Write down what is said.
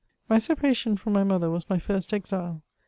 My separatioii from my mother was my first exile.